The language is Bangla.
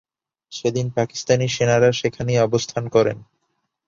সেদিন পাকিস্তানি সেনারা সেখানেই অবস্থান করে।